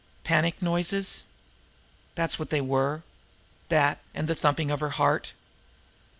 Panic noises! That's what they were! That, and the thumping of her heart!